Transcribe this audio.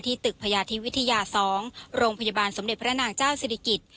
ตึกพญาธิวิทยา๒โรงพยาบาลสมเด็จพระนางเจ้าศิริกิจ